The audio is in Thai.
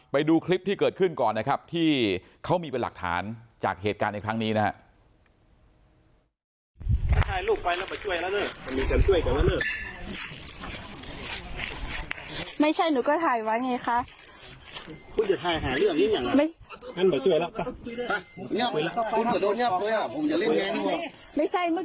ไปดูคลิปที่เกิดขึ้นก่อนนะครับที่เขามีเป็นหลักฐานจากเหตุการณ์ในครั้งนี้นะครับ